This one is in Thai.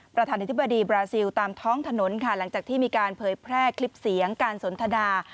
ประธานาธิบดีบราซิลตามท้องถนนค่ะหลังจากที่มีการเผยแพร่คลิปเสียงการสนทนา